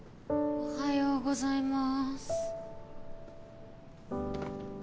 おはようございます。